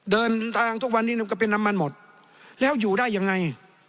เดินทางทุกวันนี้มันก็เป็นน้ำมันหมดแล้วอยู่ได้ยังไง